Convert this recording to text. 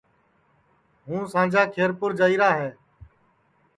ہوں سانجا کھیرپُور جائیرا ہے